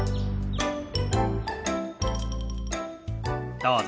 どうぞ。